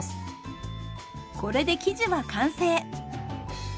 これで生地は完成。